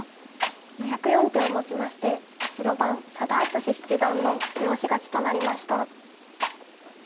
２０４手をもちまして白番佐田篤史七段の中押し勝ちとなりました。